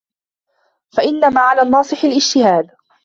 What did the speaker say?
فَإِنَّ مَا عَلَى النَّاصِحِ الِاجْتِهَادُ